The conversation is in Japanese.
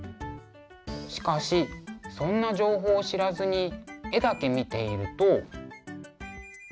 しかしそんな情報を知らずに絵だけ見ていると。